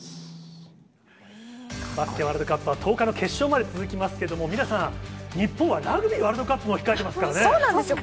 バスケワールドカップは、１０日の決勝まで続きますけど、ミラさん、日本はラグビーワールそうなんですよ。